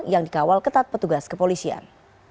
yang dikawal ketat petugas kepolisian